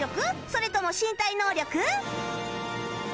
それとも身体能力？